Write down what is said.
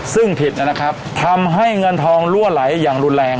ซึ่งผิดนะครับทำให้เงินทองรั่วไหลอย่างรุนแรง